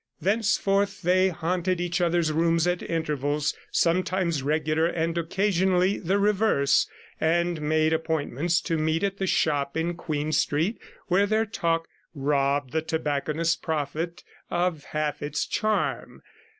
Thenceforth they haunted each other's rooms at intervals, sometimes regular, and occasionally the reverse, and made appointments to meet at the shop in Queen Street, where their talk robbed the tobacconist's profit of half its charm.